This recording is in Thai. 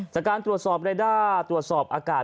จากการตรวจสอบเรด้าตรวจสอบอากาศ